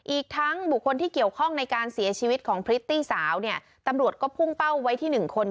อีกทั้งบุคคลที่เกี่ยวข้องในการเสียชีวิตของพริตตี้สาวเนี่ยตำรวจก็พุ่งเป้าไว้ที่หนึ่งคน